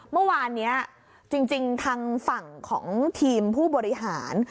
เมื่อวานนี้จริงทางฝั่งของทีมผู้บริหาร